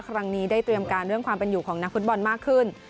ครั้งนี้ได้เตรียมการเรื่องความเป็นอยู่ของนักฟุตบอลมากขึ้น